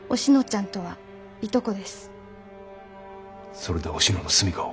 それでおしのの住みかを？